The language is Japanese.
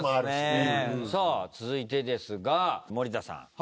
さあ続いてですが森田さん。